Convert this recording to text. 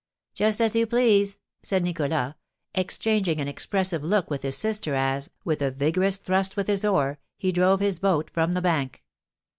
"Just as you please," said Nicholas, exchanging an expressive look with his sister as, with a vigorous thrust with his oar, he drove his boat from the bank.